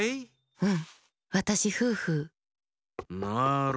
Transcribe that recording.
うん。